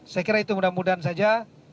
saya kira itu mudah mudahan saja